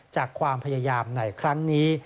จากความพยายามในครั้งนี้